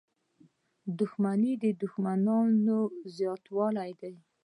• دښمني د دوښمنانو زیاتوالی دی.